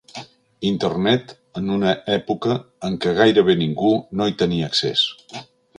Internet, en una època en què gairebé ningú no hi tenia accés.